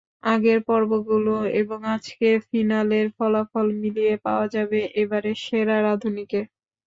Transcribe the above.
আগের পর্বগুলো এবং আজকের ফিনালের ফলাফল মিলিয়ে পাওয়া যাবে এবারের সেরা রাঁধুনিকে।